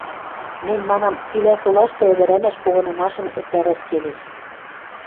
Мӹнь манам: цилӓ солашты ӹдӹрӓмӓш погынымашым эртӓрӓш келеш.